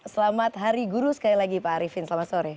selamat hari guru sekali lagi pak arifin selamat sore